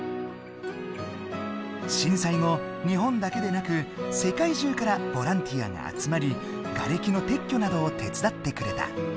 震災後日本だけでなく世界中からボランティアが集まりがれきの撤去などを手伝ってくれた。